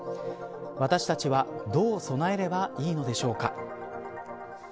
私たちはどう備えればいいのでしょうか。